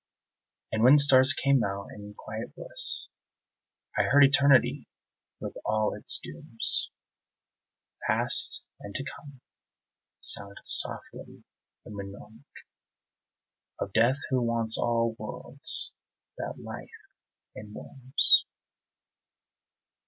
And when the stars came out in quiet bliss, I heard Eternity with all its dooms, Past and to come, sound softly the mnemonic Of Death who waits all worlds that Life enwombs.